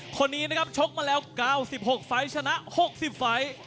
คนนี้นะครับชกมาแล้ว๙๖ไฟล์ชนะ๖๐ไฟล์